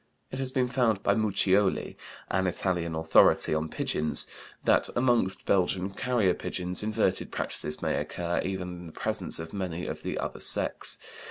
It has been found by Muccioli, an Italian authority on pigeons, that among Belgian carrier pigeons inverted practices may occur, even in the presence of many of the other sex.